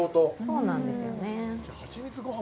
そうなんですよね。